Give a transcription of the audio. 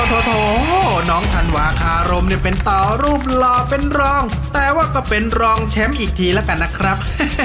โถน้องธันวาคารมเนี่ยเป็นต่อรูปหล่อเป็นรองแต่ว่าก็เป็นรองแชมป์อีกทีแล้วกันนะครับ